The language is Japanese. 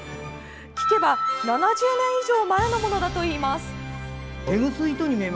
聞けば７０年以上前のものだといいます。